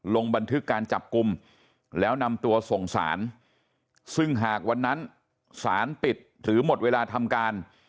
ลงบันทึกการจับกลุ่มแล้วนำตัวส่งสารซึ่งหากวันนั้นสารปิดหรือหมดเวลาทำการ